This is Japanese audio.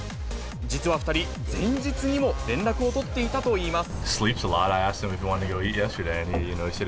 実は２人、前日にも連絡を取っていたといいます。